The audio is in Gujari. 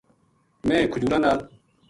میں کھجوراں نال